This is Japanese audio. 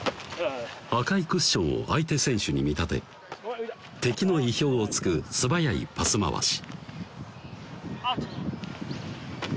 赤いクッションを相手選手に見立て敵の意表をつく素早いパス回し